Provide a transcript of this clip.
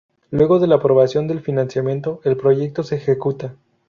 Luego de la aprobación del financiamiento, el proyecto se ejecuta.